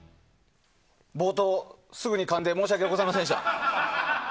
冒頭、すぐにかんで申し訳ありませんでした。